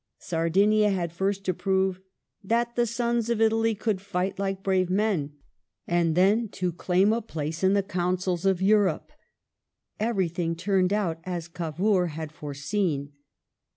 Sardinia had first to prove " that the sons of Italy could fight like brave men," and then to claim a place in the Councils of Europe. Everything turned out as Cavour had foreseen.